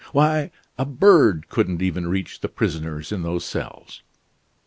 Why, a bird couldn't even reach the prisoners in those cells."